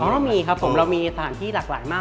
ก็มีครับผมเรามีสถานที่หลากหลายมาก